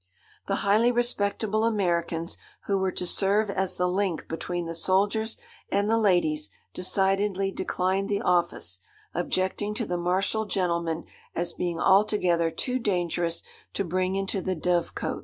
The highly respectable Americans who were to serve as the link between the soldiers and the ladies decidedly declined the office, objecting to the martial gentleman as being altogether too dangerous to bring into the dove cot.